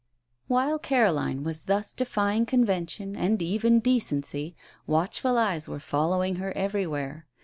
While Caroline was thus defying convention and even decency, watchful eyes were following her everywhere.